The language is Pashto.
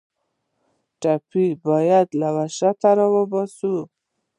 ټپي ته باید له وحشته راوباسو.